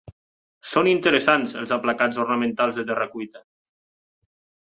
Són interessants els aplacats ornamentals de terra cuita.